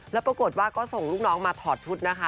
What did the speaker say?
แล้วปรากฏว่าก็ส่งลูกน้องมาถอดชุดนะคะ